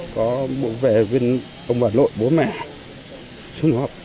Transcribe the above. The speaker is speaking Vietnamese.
có vệ viên ông bà nội bố mẹ xung họp